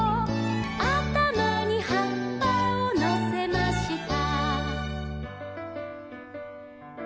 「あたまにはっぱをのせました」